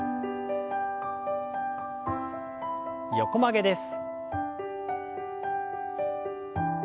横曲げです。